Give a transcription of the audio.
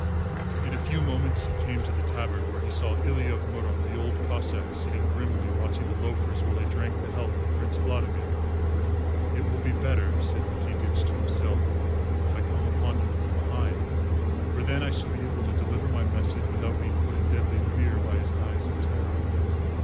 In a few moments he came to the tavern where he saw Ilya of Murom the Old Cossáck sitting grimly watching the loafers while they drank the health of Prince Vladimir. "It will be better," said Nikitich to himself, "if I come upon him from behind, for then I shall be able to deliver my message without being put in deadly fear by his eyes of terror."